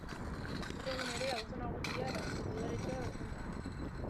Gaur egun ere auzo nagusia da eta udaletxea bertan dago.